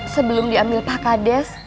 sebelum diambil pakades